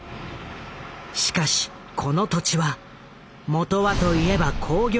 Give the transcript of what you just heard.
しかしこの土地はもとはといえば工業団地の建設予定地。